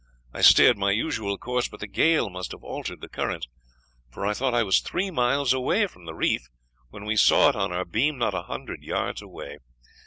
I steered my usual course, but the gale must have altered the currents, for I thought I was three miles away from the reef, when we saw it on our beam, not a hundred yards away.